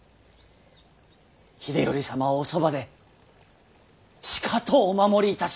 秀頼様をおそばでしかとお守りいたします。